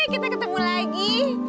kita ketemu lagi